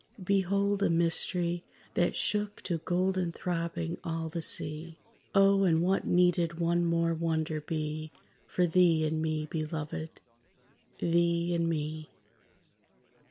_ _Behold, a mystery That shook to golden throbbing all the sea. Oh, and what needed one more wonder be For thee and me, Belovèd? thee and me?